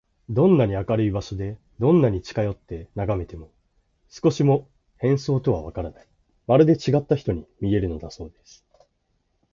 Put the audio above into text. どんなに明るい場所で、どんなに近よってながめても、少しも変装とはわからない、まるでちがった人に見えるのだそうです。